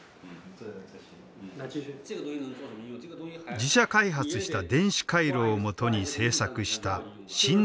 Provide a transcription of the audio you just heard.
自社開発した電子回路をもとに製作した振動センサー。